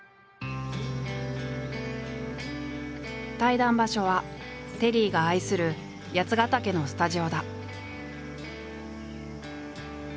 対談場所はテリーが愛する八ヶ岳のスタジオだ。